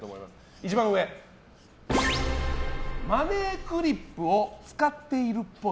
一番上、マネークリップを使っているっぽい。